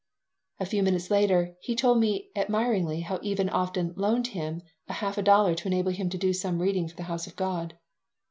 A few minutes later he told me admiringly how Even often "loaned" him a half dollar to enable him to do some reading at the house of God.